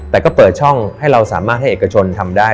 แต่ก็เปิดช่องให้เราสามารถให้เอกชนทำได้